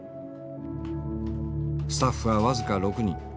スタッフは僅か６人。